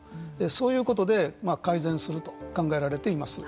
そういうことで改善すると考えられています。